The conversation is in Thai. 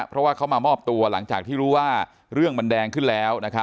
เพราะว่าเขามามอบตัวหลังจากที่รู้ว่าเรื่องมันแดงขึ้นแล้ว